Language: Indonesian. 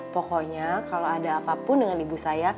pokoknya kalau ada apapun dengan ibu saya